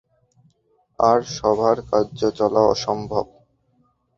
আর সভার কার্য চলা অসম্ভব।